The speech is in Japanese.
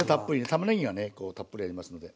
たまねぎがねたっぷりありますので。